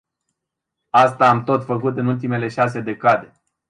Asta am tot făcut în ultimele șase decade.